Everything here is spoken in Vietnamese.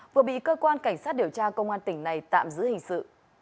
vừa bị cơ quan cảnh sát điều tra công an tỉnh này tạm giữ hình sự